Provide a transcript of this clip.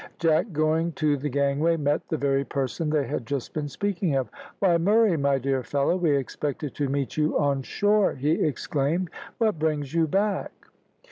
Jack going to the gangway met the very person they had just been speaking of. "Why, Murray, my dear fellow, we expected to meet you on shore!" he exclaimed. "What brings you back?"